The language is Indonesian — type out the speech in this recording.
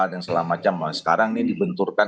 dan selama macam sekarang ini dibenturkan